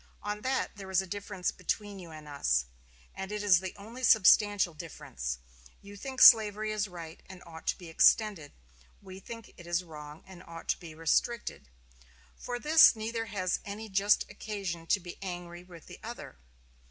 On that there is a difference between you and us; and it is the only substantial difference. You think slavery is right and ought to be extended; we think it is wrong and ought to be restricted. For this neither has any just occasion to be angry with the other.